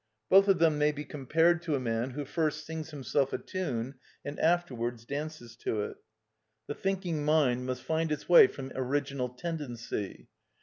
Both of them may be compared to a man who first sings himself a tune and afterwards dances to it. The thinking mind must find its way from original tendency.